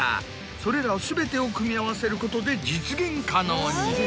それら全てを組み合わせることで実現可能に。